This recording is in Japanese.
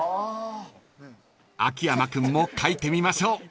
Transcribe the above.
［秋山君も書いてみましょう］